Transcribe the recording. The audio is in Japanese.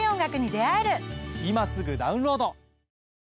今すぐダウンロード！